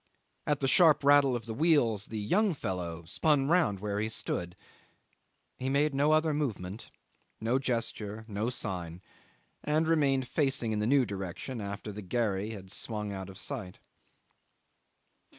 At the sharp rattle of the wheels the young fellow spun round where he stood. He made no other movement, no gesture, no sign, and remained facing in the new direction after the gharry had swung out of sight.